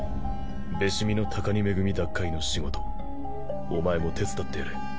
べし見の高荷恵奪回の仕事お前も手伝ってやれ。